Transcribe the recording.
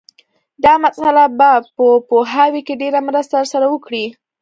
دا مسأله به په پوهاوي کې ډېره مرسته در سره وکړي